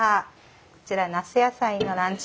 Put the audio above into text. こちら那須野菜のランチ